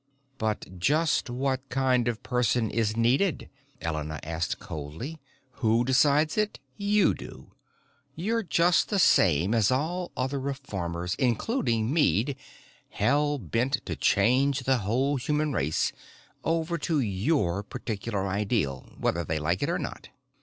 "But just what kind of person is needed?" Elena asked coldly. "Who decides it? You do. You're just the same as all other reformers, including Meade hell bent to change the whole human race over to your particular ideal, whether they like it or not."